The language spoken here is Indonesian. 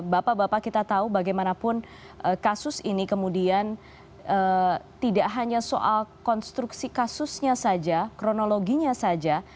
bapak bapak kita tahu bagaimanapun kasus ini kemudian tidak hanya soal konstruksi kasusnya saja kronologinya saja